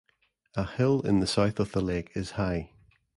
A hill in the south of the lake is high.